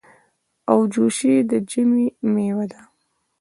اوجوشي د ژمي مېوه ده.